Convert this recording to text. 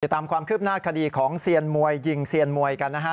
ตามความคืบหน้าคดีของเซียนมวยยิงเซียนมวยกันนะฮะ